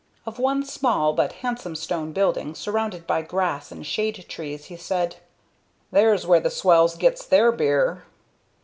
Of one small but handsome stone building, surrounded by grass and shade trees, he said: "There's where the swells get's their beer."